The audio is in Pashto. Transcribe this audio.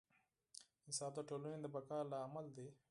انصاف د ټولنې د بقا لامل دی.